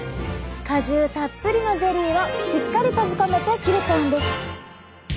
果汁たっぷりのゼリーをしっかり閉じ込めて切れちゃうんです。